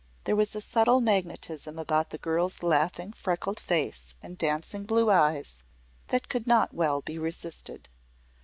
There was a subtle magnetism about the girl's laughing, freckled face and dancing blue eyes that could not well be resisted.